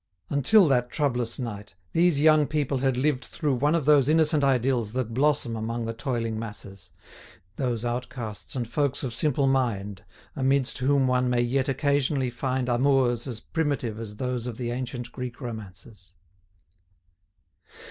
Until that troublous night, these young people had lived through one of those innocent idylls that blossom among the toiling masses, those outcasts and folks of simple mind amidst whom one may yet occasionally find amours as primitive as those of the ancient Greek romances.